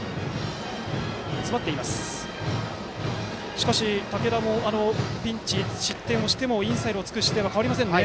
しかし竹田もピンチ、失点してもインサイドを突く姿勢は変わりませんね。